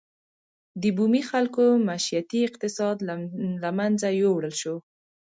د بومي خلکو معیشتي اقتصاد له منځه یووړل شو.